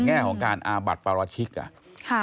แง่ของการอาบัติปราชิกอ่ะ